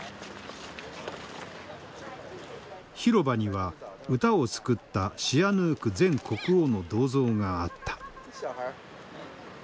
広場には歌を作ったシアヌーク前国王の銅像があった。